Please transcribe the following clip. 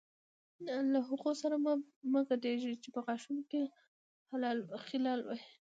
له هغو سره مه ګډېږئ چې په غاښونو کې خلال وهي.